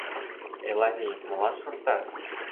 Элавий, молан шортат?